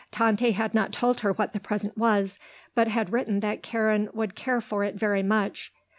Tante had not told her what the present was, but had written that Karen would care for it very much.